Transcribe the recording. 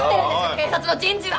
警察の人事は！